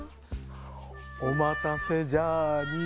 おまたせジャーニー。